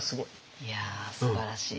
いやすばらしい。